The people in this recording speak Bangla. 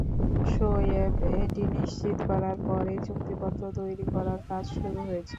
শোয়েব এটি নিশ্চিত করার পরেই চুক্তিপত্র তৈরি করার কাজ শুরু হয়েছে।